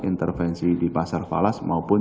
intervensi di pasar falas maupun